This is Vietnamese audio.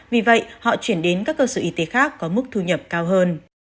vì vậy họ chuyển đến các cơ sở y tế khác có mức thu nhập cao hơn